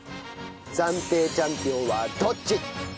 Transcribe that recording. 暫定チャンピオンはどっち！？